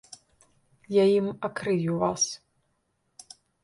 Я ім акрыю вас.